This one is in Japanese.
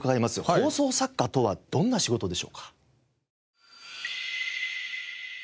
放送作家とはどんな仕事でしょうか？